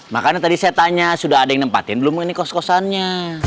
makanya tadi saya tanya sudah ada yang nempatin belum ini kos kosannya